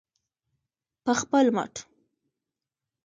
په خپل مټ.